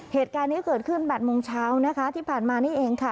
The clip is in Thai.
เหตุการณ์นี้เกิดขึ้น๘โมงเช้านะคะที่ผ่านมานี่เองค่ะ